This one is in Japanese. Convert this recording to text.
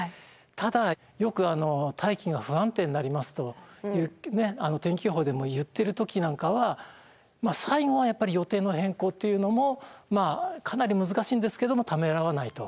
ただよく「大気が不安定になります」と天気予報でも言ってる時なんかは最後はやっぱり予定の変更っていうのもかなり難しいんですけどもためらわないと。